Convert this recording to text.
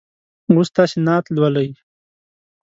اوس تاسې نعت لولئ.